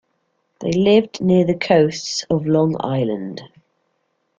They lived near the coasts of Long Island.